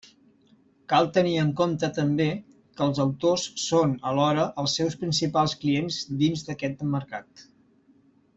Cal tenir en compte també que els autors són alhora els seus principals clients dins d'aquest mercat.